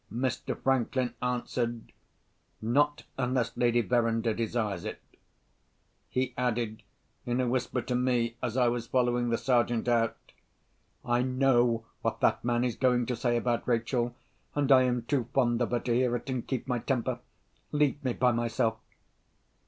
Mr. Franklin answered, "Not unless Lady Verinder desires it." He added, in a whisper to me, as I was following the Sergeant out, "I know what that man is going to say about Rachel; and I am too fond of her to hear it, and keep my temper. Leave me by myself."